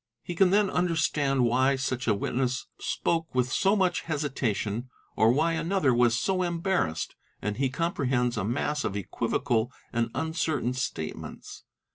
He can then understand — why such a witness spoke with so much hesitation or why another was — so embarrased, and he comprehends a mass of equivocal and uncertain — statements.